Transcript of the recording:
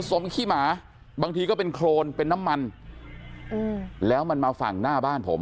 ขี้หมาบางทีก็เป็นโครนเป็นน้ำมันอืมแล้วมันมาฝั่งหน้าบ้านผม